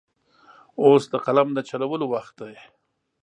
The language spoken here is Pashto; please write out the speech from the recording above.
اوس د قلم د چلولو وخت دی.